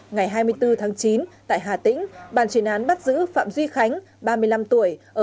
ngày hai mươi bốn tháng chín tại hà tĩnh bàn chuyển án bắt giữ phạm duy khánh ba mươi năm tuổi